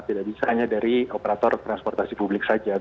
tidak bisa hanya dari operator transportasi publik saja